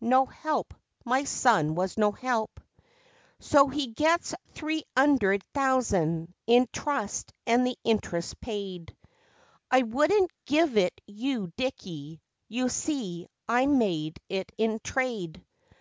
No help my son was no help! So he gets three 'undred thousand, in trust and the interest paid. I wouldn't give it you, Dickie you see, I made it in trade.